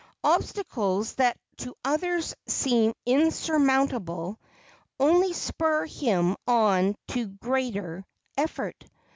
Obstacles, that to others seem insurmountable, only spur him on to greater effort.